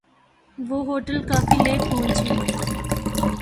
وہ ہوٹل کافی لیٹ پہنچی